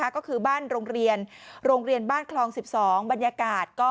ก็คือบ้านโรงเรียนโรงเรียนบ้านคลอง๑๒บรรยากาศ